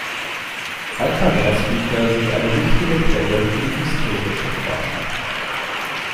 Alte Adressbücher sind eine wichtige Quelle für die historische Forschung.